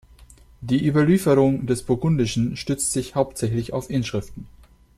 Die Überlieferung des Burgundischen stützt sich hauptsächlich auf Inschriften.